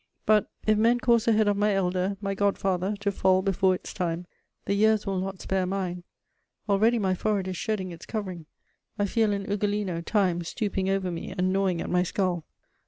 But, if men caused the head of my elder, my god father, to fall before its time, the years will not spare mine; already my forehead is shedding its covering; I feel an Ugolino, Time, stooping over me and gnawing at my skull